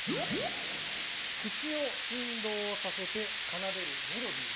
口を振動させて奏でるメロディー。